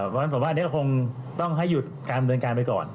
เพราะฉะนั้นผมว่าอันนี้ก็คงต้องให้หยุดการดำเนินการไปก่อน